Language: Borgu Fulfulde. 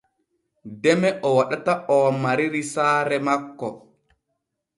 Deme o waɗata oo mariri saare makko.